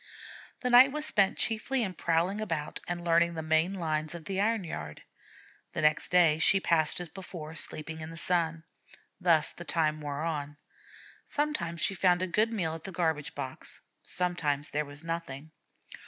The night was spent chiefly in prowling about and learning the main lines of the iron yard. The next day she passed as before, sleeping in the sun. Thus the time wore on. Sometimes she found a good meal at the garbage box, sometimes there was nothing.